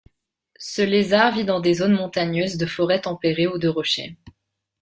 Ce lézard vit dans des zones montagneuses de forêts tempérées ou de rochers.